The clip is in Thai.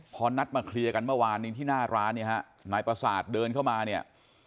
พอนัดมาเคลียร์กันเมื่อวานนี้ที่หน้าร้านเนี่ยฮะนายประสาทเดินเข้ามาเนี่ย